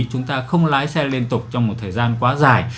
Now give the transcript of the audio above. chúng ta không lái xe liên tục trong một thời gian quá dài